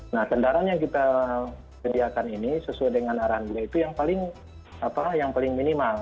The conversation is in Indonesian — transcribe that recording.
nah kendaraan yang kita sediakan ini sesuai dengan arahan beliau itu yang paling minimal